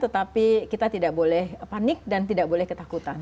tetapi kita tidak boleh panik dan tidak boleh ketakutan